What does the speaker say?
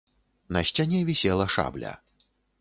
На сцяне вісела шабля.